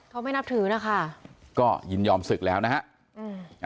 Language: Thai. เขาไม่นับถือนะคะก็ยินยอมศึกแล้วนะฮะอืม